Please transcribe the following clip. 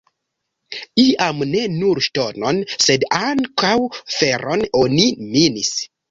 Iam ne nur ŝtonon, sed ankaŭ feron oni minis.